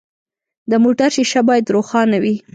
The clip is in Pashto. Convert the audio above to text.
د موټر شیشه باید روښانه وي.